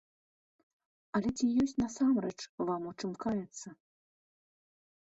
Але ці ёсць насамрэч вам у чым каяцца?